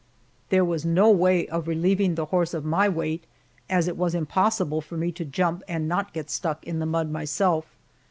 There was no way of relieving the horse of my weight, as it was impossible for me to jump and not get stuck in the mud myself.